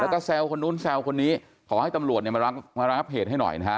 แล้วก็แซวคนนู้นแซวคนนี้ขอให้ตำรวจเนี่ยมารับเหตุให้หน่อยนะฮะ